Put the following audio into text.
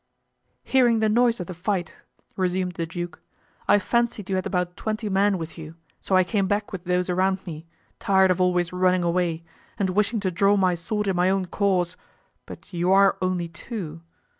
"Hearing the noise of the fight," resumed the duke, "I fancied you had about twenty men with you, so I came back with those around me, tired of always running away, and wishing to draw my sword in my own cause; but you are only two."